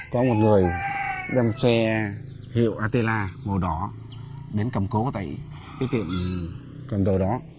có một người đem xe hiệu atela màu đỏ đến cầm cố tại cái tiệm cầm đồ đó